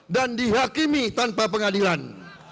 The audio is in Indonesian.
dan dihakimi tanpa pengadilan